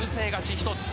１つ。